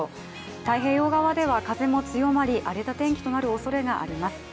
太平洋側では風も強まり荒れた天気となるおそれがあります。